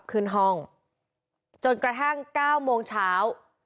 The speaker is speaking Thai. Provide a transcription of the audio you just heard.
ขึ้นห้องจนกระทั่ง๙โมงเช้า